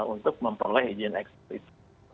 untuk memperoleh izin ekspresi